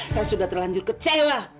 saya sudah terlanjur kecewa